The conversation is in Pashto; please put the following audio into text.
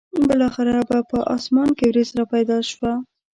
بالاخره به په اسمان کې ورېځ را پیدا شوه.